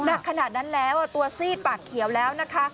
หนักขนาดนั้นแล้วตัวซีดปากเขียวแล้วนะคะ